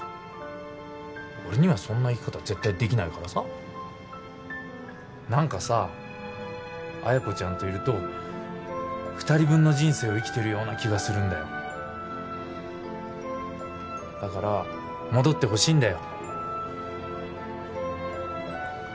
俺にはそんな生き方絶対できないからさ何かさ彩子ちゃんといると二人分の人生を生きてるような気がするんだよだから戻ってほしいんだよ